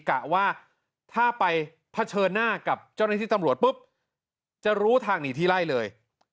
กะว่าถ้าไปเผชิญหน้ากับเจ้าหน้าที่ตำรวจปุ๊บจะรู้ทางหนีที่ไล่เลย